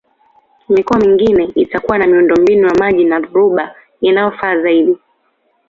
Mikoa mingine itakuwa na miundombinu ya maji ya dhoruba inayofaa zaidi